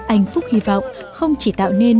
anh phúc hy vọng không chỉ tạo nên